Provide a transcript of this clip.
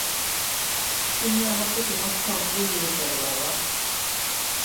তুমি আমাকে তোমার সঙ্গে নিয়ে চলো বাবা!